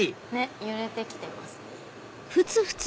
揺れてきてますね。